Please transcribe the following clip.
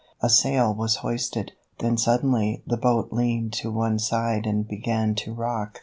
A sail was hoisted, then suddenly the boat leaned to one side and began to rock.